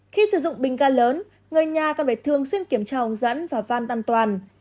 khi sử dụng bình ga lớn người nhà cần phải thường xuyên kiểm tra hồng dẫn và văn an toàn